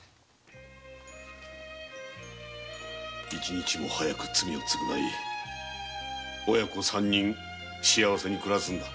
一日も早く罪を償い親子三人幸せに暮らすのだ。